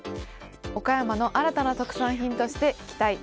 岡山の新たな特産品として期待。